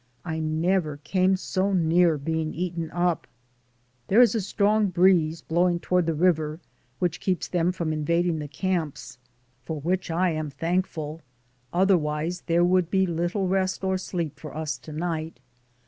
I never came so near being eaten up. There is a strong breeze blowing toward the river, which keeps them from invading the camps, for which I am thankful, otherwise there would be little rest or sleep for us to night.